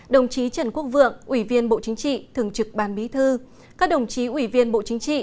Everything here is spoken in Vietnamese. đồng chí trần quốc vượng ủy viên bộ chính trị thường trực ban bí thư các đồng chí ủy viên bộ chính trị